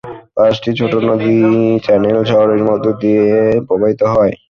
পাঁচটি ছোট নদী চ্যানেল শহরের মধ্য দিয়ে প্রবাহিত হয়।